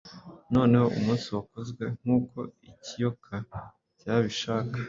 Noneho umunsi wakozwe nkuko ikiyoka cyabishaka